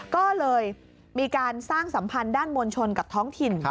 ก็เลยมีการสร้างสัมพันธ์ด้านมวลชนกับท้องถิ่น